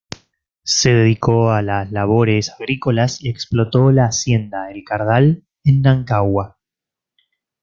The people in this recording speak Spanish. Se dedicó a las labores agrícolas y explotó la hacienda El Cardal en Nancagua.